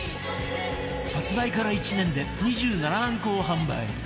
発売から１年で２７万個を販売